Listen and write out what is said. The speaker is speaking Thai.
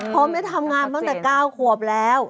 ผมจะทำงานตั้งแต่๙ขวบแล้ว